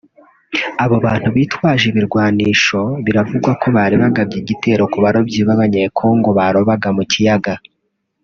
Abo bantu bitwaje ibirwanisho biravugwa ko bari bagabye igitero ku barobyi b’abanyekongo barobaga mu kiyaga